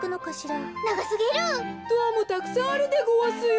ドアもたくさんあるでごわすよ。